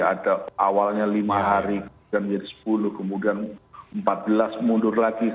ada awalnya lima hari kemudian menjadi sepuluh kemudian empat belas mundur lagi